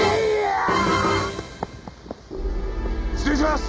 失礼します！